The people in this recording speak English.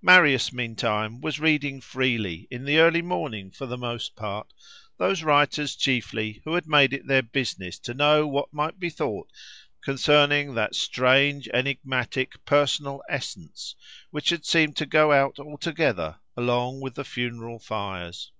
Marius, meantime, was reading freely, in early morning for the most part, those writers chiefly who had made it their business to know what might be thought concerning that strange, enigmatic, personal essence, which had seemed to go out altogether, along with the funeral fires.